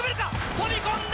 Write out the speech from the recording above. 飛び込んだ！